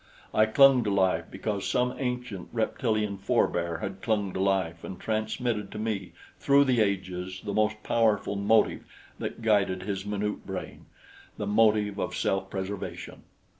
I clung to life because some ancient, reptilian forbear had clung to life and transmitted to me through the ages the most powerful motive that guided his minute brain the motive of self preservation.